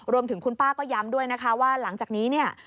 รวมถึงคุณป้าก็ย้ำด้วยนะคะว่าหลังจากนี้เนี่ย